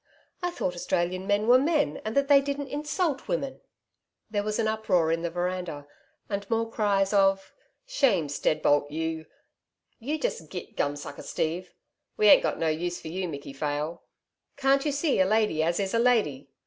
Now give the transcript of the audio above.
I thought Australian men were men, and that they didn't insult women.' There was an uproar in the veranda, and more cries of 'Shame, Steadbolt, you! ... You just git, Gumsucker Steve. We ain't got no use for you, Micky Phayle.... Can't you see a lady as is a lady?'